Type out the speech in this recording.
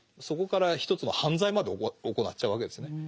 そこから一つの犯罪までおこなっちゃうわけですね。